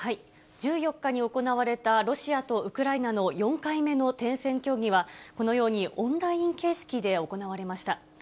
１４日に行われた、ロシアとウクライナの４回目の停戦協議は、このようにオンライン形式で行われました。